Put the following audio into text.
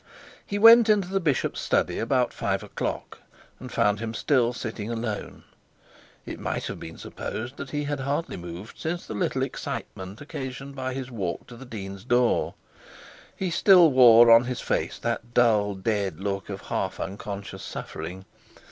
He went into the bishop's study about five o'clock, and found him still sitting alone. It might have been supposed that he had hardly moved since the little excitement occasioned by the walk to the dean's door. He still wore on his face that dull dead look of half unconscious suffering.